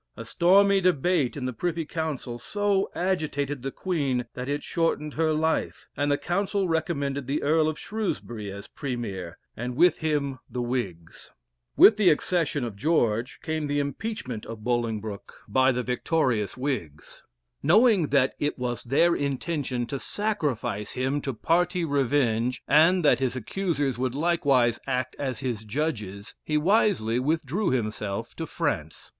A stormy debate in the Privy Council so agitated the Queen, that it shortened her life, and the Council recommended the Earl of Shrewsbury as Premier, and with him the Whigs. With the accession of George, came the impeachment of Bolingbroke by the victorious Whigs. Knowing that it was their intention to sacrifice him to party revenge, and that his accusers would likewise act as his judges, he wisely withdrew himself to France.